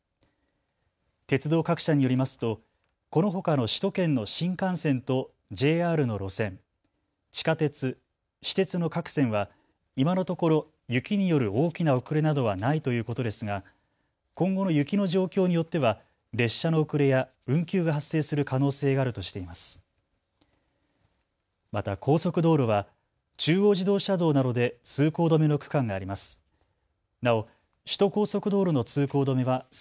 鉄道各社によりますとこのほかの首都圏の新幹線とＪＲの路線、地下鉄、私鉄の各線は今のところ雪による大きな遅れなどはないということですが今後の雪の状況によっては列車の遅れや運休が発生する可能性があるとしています。